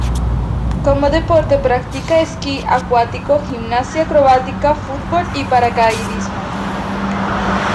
Como deporte practica esquí acuático, gimnasia acrobática, fútbol y paracaidismo.